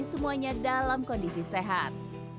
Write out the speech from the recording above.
semuanya dalam kondisi sehat